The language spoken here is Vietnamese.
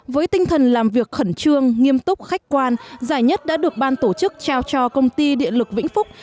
với tinh thần làm việc khẩn trương nghiêm túc khách quan giải nhất đã được ban tổ chức trao cho công ty điện lực vĩnh phúc